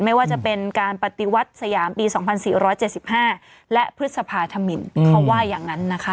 ไม่ว่าจะเป็นการปฏิวัติสยามปี๒๔๗๕และพฤษภาธมินเขาว่าอย่างนั้นนะคะ